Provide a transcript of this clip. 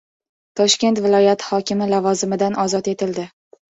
Toshkent viloyati hokimi lavozimidan ozod etildi